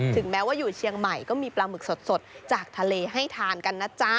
ถึงแม้ว่าอยู่เชียงใหม่ก็มีปลาหมึกสดจากทะเลให้ทานกันนะจ๊ะ